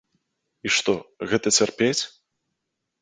І што, гэта цярпець?